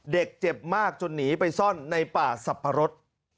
เจ็บมากจนหนีไปซ่อนในป่าสับปะรด